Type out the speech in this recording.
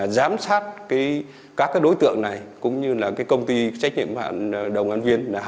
giám sát các đối tượng này cũng như công ty trách nhiệm đồng an viên hai mươi bốn hai mươi bốn